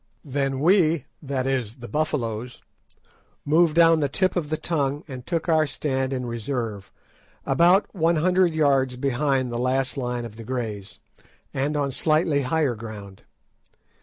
Then we—that is, the Buffaloes—moved down the tip of the tongue and took our stand in reserve, about one hundred yards behind the last line of the Greys, and on slightly higher ground.